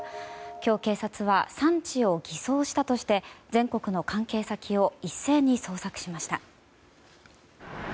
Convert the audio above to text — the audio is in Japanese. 今日、警察は産地を偽装したとして全国の関係先を一斉に捜索しました。